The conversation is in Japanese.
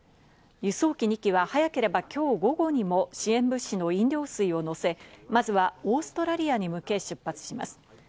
輸送機２機は早ければ今日午後にも支援物資の飲料水をのせ、まずはオーストラリアに向け出発します。